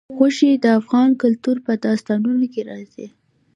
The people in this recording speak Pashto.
غوښې د افغان کلتور په داستانونو کې راځي.